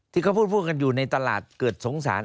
ที่เขาพูดกันอยู่ในตลาดเกิดสงสาร